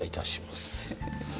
頂戴いたします。